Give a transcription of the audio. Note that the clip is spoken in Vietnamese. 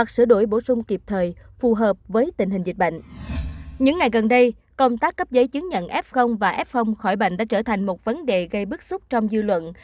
công tác cấp giấy chứng nhận f và f khỏi bệnh đã trở thành một vấn đề gây bức xúc trong dư luận